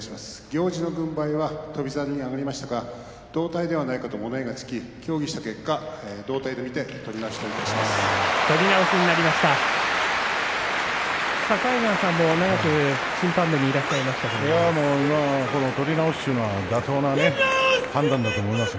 行司の軍配は翔猿に上がりましたが同体ではないかと物言いがつき協議した結果同体と見て取り直しといたします。